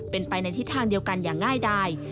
เป็นไปในทิศทางเดียวกันอย่างง่ายดาย